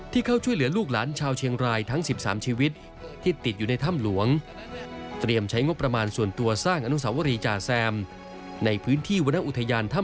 ที่เข้าช่วยเหลือลูกหลานชาวเชียงรายทั้ง๑๓ชีวิต